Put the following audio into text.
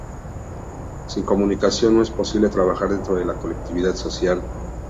Sin comunicación no es posible trabajar dentro de la colectividad social.